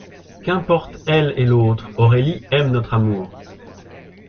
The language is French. Qu'importent elle et l'autre ? Aurélie aime notre amour.